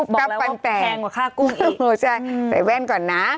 บอกแล้วว่าแพงกว่าข้ากุ้งอีกโอ้โฮใช่ใส่แว่นก่อนนะ